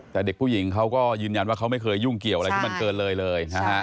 แต่เด็กผู้หญิงเขาก็ยืนยันว่าเขาไม่เคยยุ่งเกี่ยวอะไรที่มันเกินเลยเลยนะฮะ